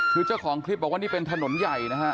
คือเจ้าของคลิปบอกว่านี่เป็นถนนใหญ่นะฮะ